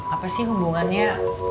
apa sih hubungannya